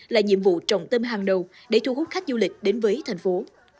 là nhiệm vụ trọng tâm hàng đầu để thu hút khách du lịch đến với thành phố